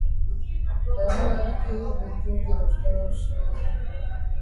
خیال آیا کہ کیوں نہ دوستوں سے مل کر پروگرام بنایا جائے کہ گاؤں جائیں گے